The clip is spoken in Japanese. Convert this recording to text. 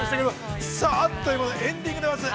◆さあ、あっという間にエンディングでございます。